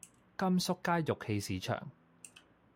甘肅街玉器市場